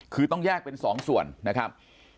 คือต้องแยกเป็น๒ส่วนนะครับ